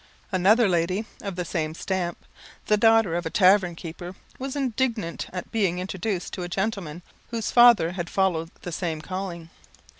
Another lady of the same stamp, the daughter of a tavern keeper, was indignant at being introduced to a gentleman, whose father had followed the same calling.